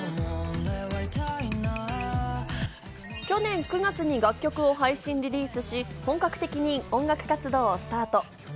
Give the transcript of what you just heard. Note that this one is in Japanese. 去年９月に楽曲を配信リリースし、本格的に音楽活動をスタート。